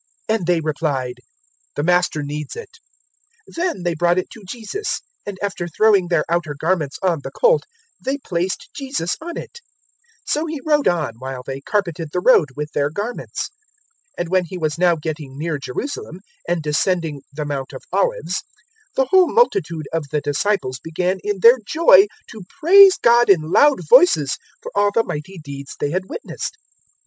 019:034 and they replied, "The Master needs it." 019:035 Then they brought it to Jesus, and after throwing their outer garments on the colt they placed Jesus on it. 019:036 So He rode on, while they carpeted the road with their garments. 019:037 And when He was now getting near Jerusalem, and descending the Mount of Olives, the whole multitude of the disciples began in their joy to praise God in loud voices for all the mighty deeds they had witnessed.